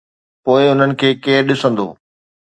پوءِ انهن کي ڪير ڏسندو؟